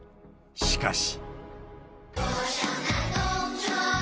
しかし。